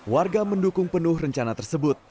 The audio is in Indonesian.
warga mendukung penuh rencana tersebut